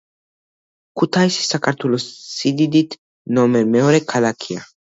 ქუთაისი საქართველოს სიდიდით ნომერ მეორე ქალაქია